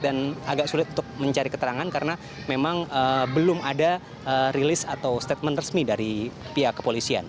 dan agak sulit untuk mencari keterangan karena memang belum ada release atau statement resmi dari pihak kepolisian